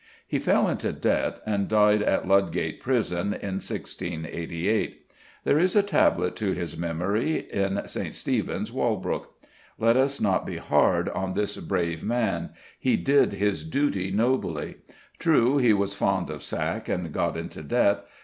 He fell into debt, and died in Ludgate Prison in 1688. There is a tablet to his memory in St. Stephen's, Walbrook. Let us not be hard on this brave man. He did his duty nobly. True, he was fond of sack and got into debt.